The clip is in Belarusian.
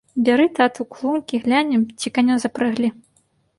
Бяры, тату, клумкі, глянем, ці каня запрэглі.